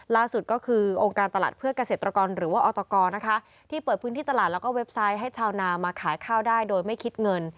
ล่าสุดก็คือองค์การตลาดเพื่อเกษตรกรหรือว่าออตกนะคะที่เปิดพื้นที่ตลาดแล้วก็เว็บไซต์ให้ชาวนามาขายข้าวได้โดยไม่คิดเงิน